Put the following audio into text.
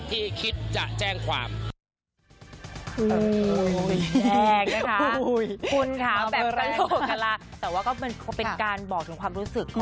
ที่คิดจะแจ้งความ